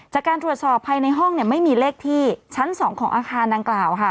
จากการตรวจสอบภายในห้องเนี่ยไม่มีเลขที่ชั้น๒ของอาคารดังกล่าวค่ะ